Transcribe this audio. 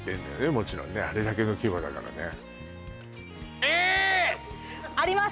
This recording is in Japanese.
もちろんねあれだけの規模だからねえーっ！あります